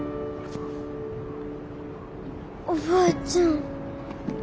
おばあちゃん